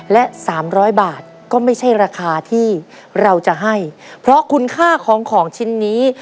และสามร้อยบาทก็ไม่ใช่ราคาที่เราจะให้เพราะคุณค่าของของชิ้นนี้